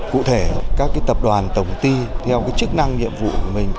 cụ thể các tập đoàn tổng ti theo chức năng nhiệm vụ của mình